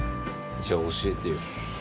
じゃあ教えてよ。